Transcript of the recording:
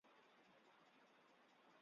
我妈带我去看医生